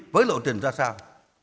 với lộ trình ra sao